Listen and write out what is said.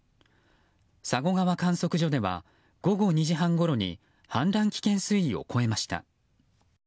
佐護川では午後２時半ごろに氾濫危険水域を超えました。